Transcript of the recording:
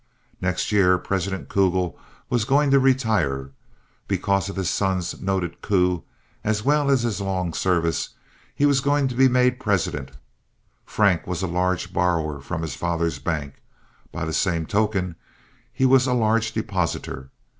Next year President Kugel was going to retire. Because of his son's noted coup, as well as his long service, he was going to be made president. Frank was a large borrower from his father's bank. By the same token he was a large depositor.